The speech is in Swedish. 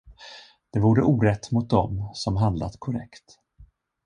Det vore orätt mot dem, som handlat korrekt.